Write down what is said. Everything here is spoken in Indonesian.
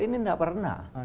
ini tidak pernah